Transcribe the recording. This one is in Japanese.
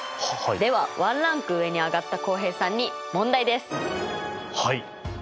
ではワンランク上にあがった浩平さんに問題です！